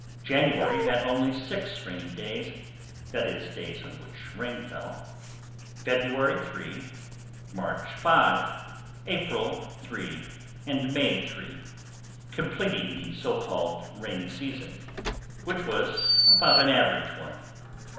January had only six rainy days—that is, days on which rain fell; February three, March five, April three, and May three, completing the so called rainy season, which was about an average one.